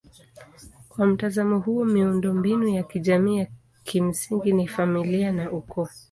Kwa mtazamo huo miundombinu ya kijamii ya kimsingi ni familia na ukoo.